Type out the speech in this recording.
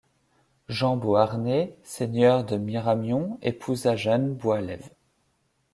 Jean Beauharnais, seigneur de Miramion épousa Jeanne Boilleve.